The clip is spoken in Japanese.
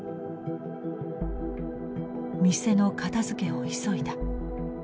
「店の片づけを急いだ」。